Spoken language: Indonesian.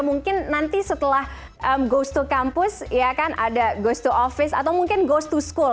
mungkin nanti setelah goes to kampus ya kan ada ghost to office atau mungkin goes to school